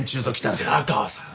白川さん